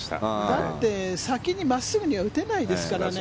だって、先に真っすぐには打てないですからね。